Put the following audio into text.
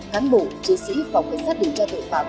cán bộ chiến sĩ phòng cảnh sát điều tra tội phạm